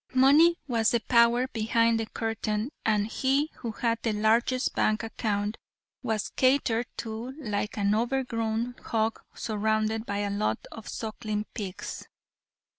Money was the power behind the curtain and he who had the largest bank account was catered to like an over grown hog surrounded by a lot of suckling pigs.